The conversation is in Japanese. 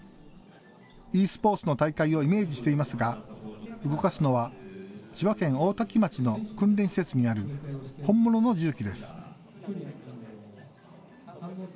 ｅスポーツの大会をイメージしていますが動かすのは千葉県大多喜町の訓練施設にある本物の重機です。